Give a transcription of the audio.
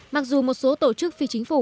mặc dù một số tổ chức phía chính phủ